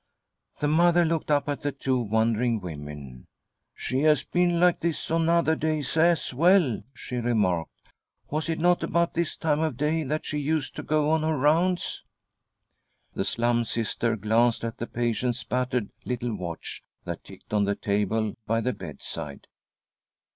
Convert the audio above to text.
The mother looked up : at the two wondering women. " She has been like this on other days as . well," she remarked. "Was it not about this time of day that she used to go on her rounds ?" The Slum Sister glanced at the patient's battered . little watch that ticked on the table by the bedside.